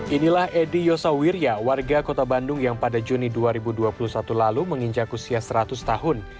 inilah edy yosa wirya warga kota bandung yang pada juni dua ribu dua puluh satu lalu menginjak usia seratus tahun